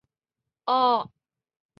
永嘉二年接替病死的高光任尚书令。